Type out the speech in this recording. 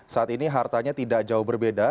saat ini hartanya tidak jauh berbeda